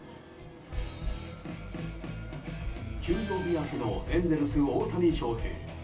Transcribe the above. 休養日明けのエンゼルス大谷翔平。